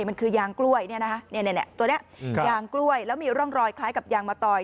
มันคือยางกล้วยตัวนี้ยางกล้วยแล้วมีร่องรอยคล้ายกับยางมะตอย